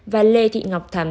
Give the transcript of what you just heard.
và lê thị ngọc thắm